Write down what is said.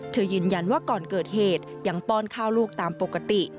ยืนยันว่าก่อนเกิดเหตุยังป้อนข้าวลูกตามปกติ